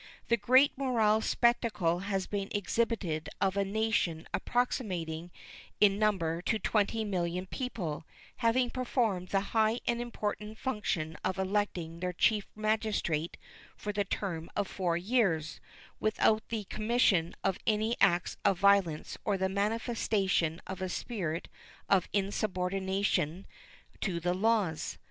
The great moral spectacle has been exhibited of a nation approximating in number to 20,000,000 people having performed the high and important function of electing their Chief Magistrate for the term of four years without the commission of any acts of violence or the manifestation of a spirit of insubordination to the laws.